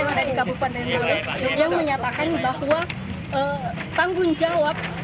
yang ada di kabupaten bogor yang menyatakan bahwa tanggung jawab